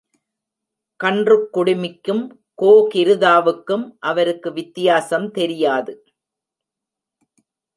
கன்றுக் குடுமிக்கும் கோ கிருதாவுக்கும் அவருக்கு வித்தியாசம் தெரியாது.